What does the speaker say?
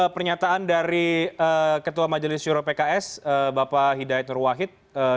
pernyataan dari ketua majelis juro pks bapak hidayat nur wahid